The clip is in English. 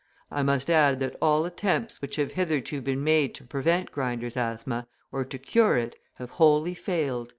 I must add that all attempts which have hitherto been made to prevent grinders' asthma, or to cure it, have wholly failed."